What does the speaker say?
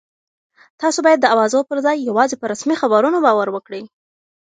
تاسو باید د اوازو پر ځای یوازې په رسمي خبرونو باور وکړئ.